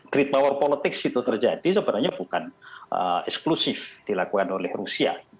great power politics itu terjadi sebenarnya bukan eksklusif dilakukan oleh rusia